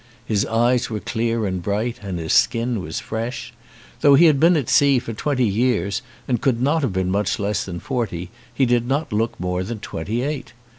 His eyes were clear and bright and his skin was fresh. Though he had been at sea for twenty years and could not have been much less than forty he did not look more than twenty eight.